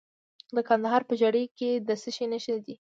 د کندهار په ژیړۍ کې د څه شي نښې دي؟